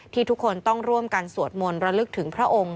ทุกคนต้องร่วมกันสวดมนต์ระลึกถึงพระองค์